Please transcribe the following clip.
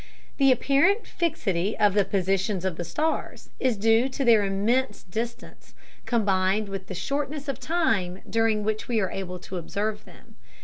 The apparent fixity in the positions of the stars is due to their immense distance, combined with the shortness of the time during which we are able to observe them.